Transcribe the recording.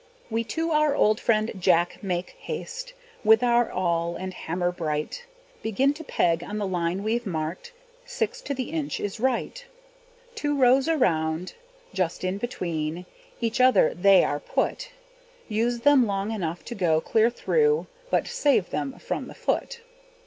We to our old friend jack make haste, With our awl and hammer bright; Begin to peg on the line we've marked Six to the inch is right. Two rows around, just in between, Each other they are put; Use them long enough to go clear through, But save them from the foot.